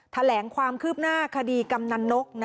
แถลงความคืบหน้าคดีกำนันนก